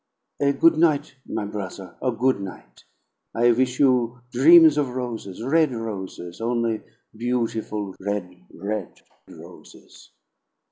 A good night, my brother, a good night. I wish you dreams of roses, red roses, only beautiful red, red roses!"